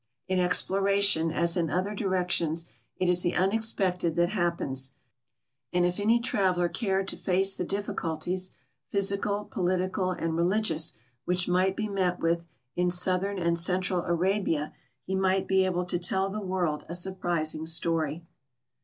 In exploration, as in other directions, it is the unexpected that happens ; and if any traveler cared to face tbe dilliculties — j)liys ical, political, and religious — which might be met with in south ern and central Arabia, he might be able to tell the world a sur prising story.